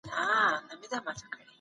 برېښنا د صنعت د ودي لپاره اړینه ده.